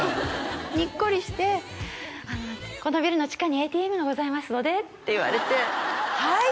ニッコリしてこのビルの地下にＡＴＭがございますのでって言われてはい！